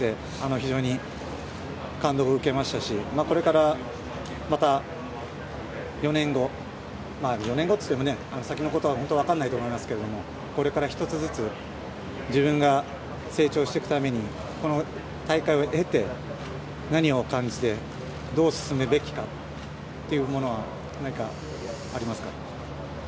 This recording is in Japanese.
非常に感動を受けましたしこれからまた４年後４年後って言っても、先のことは分からないかもしれませんがこれから１つずつ自分が成長していくためにこの大会を経て何を感じてどう進むべきかというものは何かありますか？